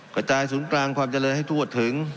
กระจายศูนย์กลางความเจริญให้ทั่วถึง